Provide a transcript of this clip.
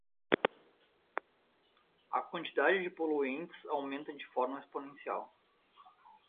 A quantidade de poluentes aumenta de forma exponencial.